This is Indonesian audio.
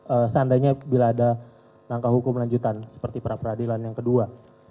ee seandainya bila ada langkah hukum lanjutan seperti pra peradilan yang kedua